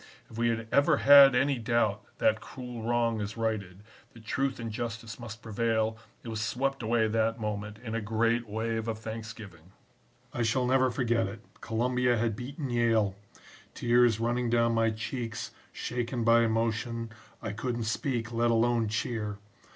If we had ever had any doubt that cruel wrong is righted, that truth and justice must prevail, it was swept away that moment in a great wave of thanksgiving. "I shall never forget it Columbia had beaten Yale! Tears running down my cheeks, shaken by emotion, I couldn't speak, let alone cheer.